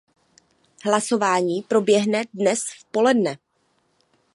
Hlasování proběhne dnes v poledne.